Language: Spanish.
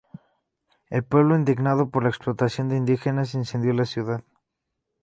El pueblo indignado por la explotación de indígenas incendió la ciudad.